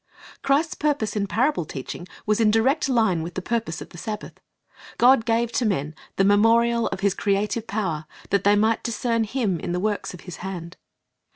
Christ's purpose in parable teaching was in direct line with the purpose of the Sabbath. God gave to men the memorial of His creative power, that they might discern Him in the works of His hand.